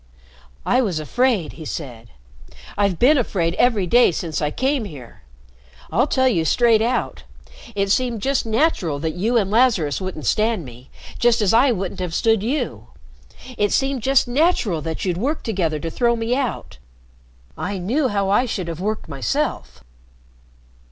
"I was afraid," he said. "I've been afraid every day since I came here. I'll tell you straight out. It seemed just natural that you and Lazarus wouldn't stand me, just as I wouldn't have stood you. It seemed just natural that you'd work together to throw me out. I knew how I should have worked myself.